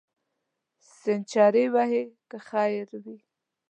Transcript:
سینچري وهې که خیر وي.